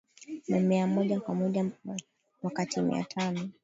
mimea moja kwa moja wakati Mia Tano